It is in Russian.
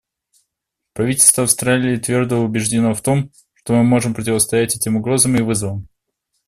Правительство Австралии твердо убеждено в том, что мы можем противостоять этим угрозам и вызовам.